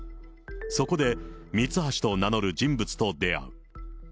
そこでミツハシと名乗る人物と出会う。